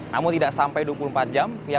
namun tidak sampai dua puluh empat jam